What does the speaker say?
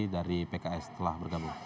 dari pks telah bergabung